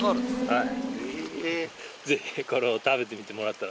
はい。